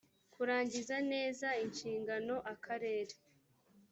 kurangiza neza inshingano akarere